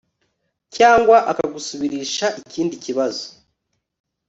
cyangwa akagusubirisha ikindi kibazo